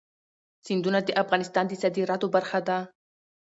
سیندونه د افغانستان د صادراتو برخه ده.